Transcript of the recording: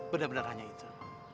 benar benar hanya itu